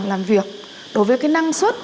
làm việc đối với cái năng suất